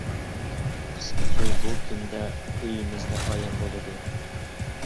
قىسقىسى بۇ كۈندە ئۆيىمىزدە ئايەم بولىدۇ.